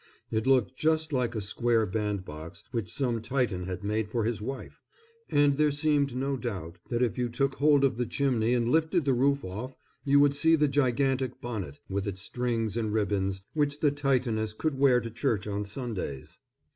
It looked just like a square bandbox which some Titan had made for his wife; and there seemed no doubt that if you took hold of the chimney and lifted the roof off, you would see the gigantic bonnet, with its strings and ribbons, which the Titaness could wear to church on Sundays.